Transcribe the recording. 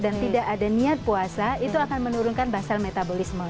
dan tidak ada niat puasa itu akan menurunkan basel metabolisme